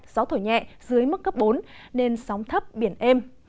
gió thổi nhẹ dưới mức cấp bốn nên sóng thấp biển êm